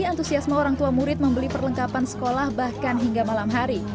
antusiasme orang tua murid membeli perlengkapan sekolah bahkan hingga malam hari